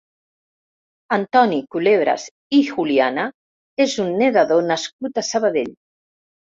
Antoni Culebras i Juliana és un nedador nascut a Sabadell.